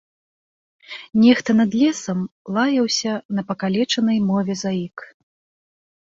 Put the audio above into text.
Нехта над лесам лаяўся на пакалечанай мове заік.